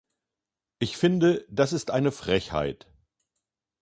Ich finde, das ist eine Frechheit!